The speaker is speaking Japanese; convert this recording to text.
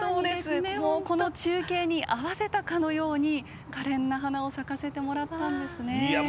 この中継に合わせたかのようにかれんな花を咲かせてもらったんですね。